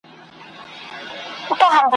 غمګین مه راته زنګېږه مه را شمېره خپل دردونه ,